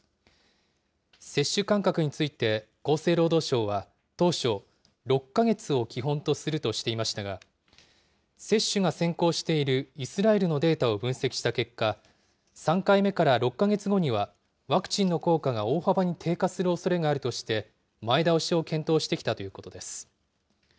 接種間隔について厚生労働省は、当初６か月を基本とするとしていましたが、接種が先行しているイスラエルのデータを分析した結果、３回目から６か月後には、ワクチンの効果が大幅に低下するおそれがあるとして、前倒しを検討してきたということです。